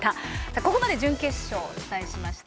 ここまで準決勝、お伝えしました。